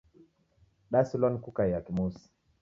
Dasilwa ni kukaia kimusi